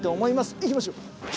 いきましょう。